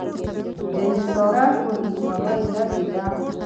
حصارک ولسوالۍ لیرې ده؟